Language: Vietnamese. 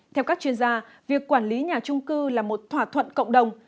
theo các chuyên gia việc quản lý nhà trung cư là một thỏa thuận cộng đồng